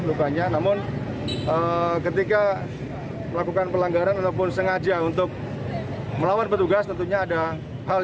lukanya namun ketika melakukan pelanggaran ataupun sengaja untuk melawan petugas tentunya ada hal